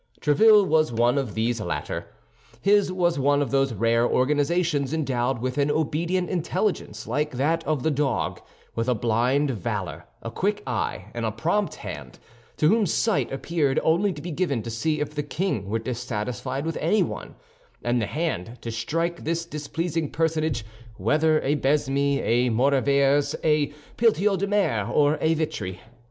Tréville was one of these latter. His was one of those rare organizations, endowed with an obedient intelligence like that of the dog; with a blind valor, a quick eye, and a prompt hand; to whom sight appeared only to be given to see if the king were dissatisfied with anyone, and the hand to strike this displeasing personage, whether a Besme, a Maurevers, a Poltiot de Méré, or a Vitry.